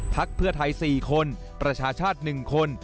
พักเพื่อไทย๔คนประชาชาติ๑คน